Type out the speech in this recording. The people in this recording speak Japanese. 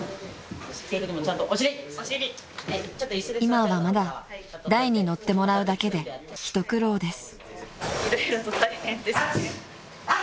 ［今はまだ台に乗ってもらうだけで一苦労です］